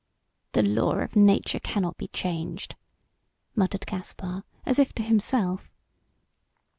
"The law of nature cannot be changed," muttered Caspar, as if to himself.